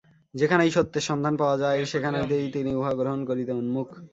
যেখানেই সত্যের সন্ধান পাওয়া যায়, সেখান হইতেই তিনি উহা গ্রহণ করিতে উন্মুখ।